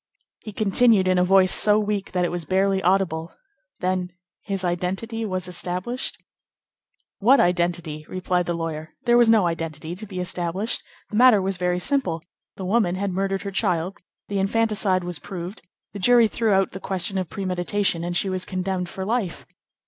He continued, in a voice so weak that it was barely audible:— "Then his identity was established?" "What identity?" replied the lawyer. "There was no identity to be established. The matter was very simple. The woman had murdered her child; the infanticide was proved; the jury threw out the question of premeditation, and she was condemned for life."